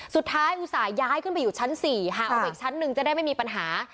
อุตส่าห์ย้ายขึ้นไปอยู่ชั้น๔ห่างออกไปอีกชั้นหนึ่งจะได้ไม่มีปัญหา